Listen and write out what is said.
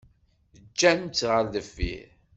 Ǧǧan-tt ɣer deffir.